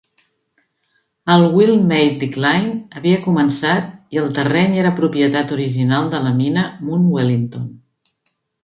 El Wheal Maid Decline havia començat i el terreny era propietat original de la mina Munt Wellington.